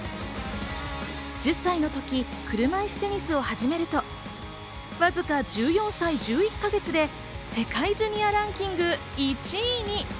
１０歳の時、車いすテニスを始めると、わずか１４歳１１か月で、世界ジュニアランキング１位に！